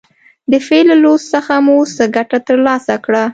د فعل له لوست څخه مو څه ګټه تر لاسه کړه.